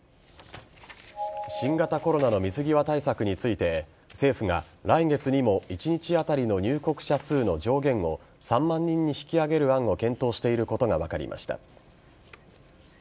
新型コロナの水際対策について政府が来月にも一日当たりの入国者数の上限を３万人に引き上げる案を検討していることが分かりました。